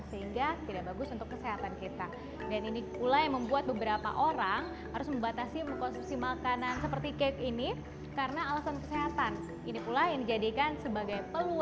sehingga aman untuk dikonsumsi siapa saja